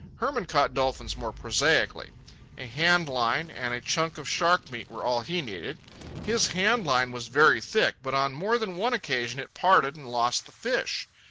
Hermann caught dolphins more prosaically. A hand line and a chunk of shark meat were all he needed. His hand line was very thick, but on more than one occasion it parted and lost the fish.